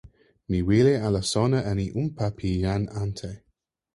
mi wile ala sona e unpa pi jan ante.